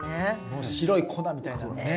もう白い粉みたいなね。